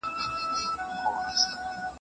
د شها یوه پښه تاو شوه له بلې